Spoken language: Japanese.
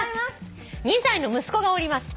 「２歳の息子がおります。